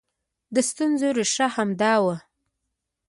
د ستونزې ریښه همدا وه